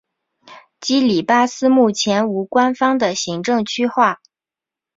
基里巴斯目前无官方的行政区划。